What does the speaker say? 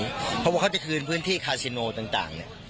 เพราะว่าเขาจะคืนพื้นที่คาซิโนต่างเนี่ย